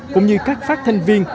cũng như các phát thanh viên